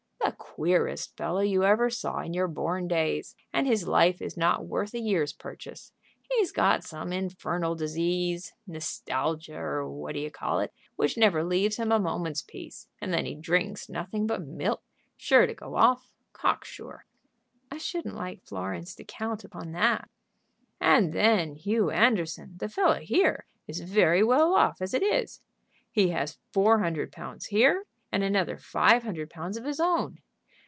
"The queerest fellow you ever saw in your born days, and his life is not worth a year's purchase. He's got some infernal disease, nostalgia, or what 'd'ye call it? which never leaves him a moment's peace, and then he drinks nothing but milk. Sure to go off; cock sure." "I shouldn't like Florence to count upon that." "And then Hugh Anderson, the fellow here, is very well off as it is. He has four hundred pounds here, and another five hundred pounds of his own.